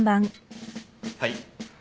はい。